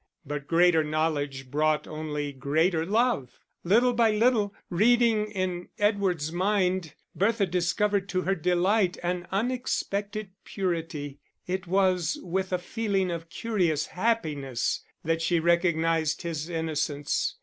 But greater knowledge brought only greater love. Little by little, reading in Edward's mind, Bertha discovered to her delight an unexpected purity; it was with a feeling of curious happiness that she recognised his innocence.